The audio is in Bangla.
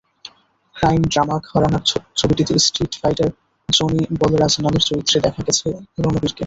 ক্রাইম-ড্রামা ঘরানার ছবিটিতে স্ট্রিট ফাইটার জনি বলরাজ নামের চরিত্রে দেখা যাবে রণবীরকে।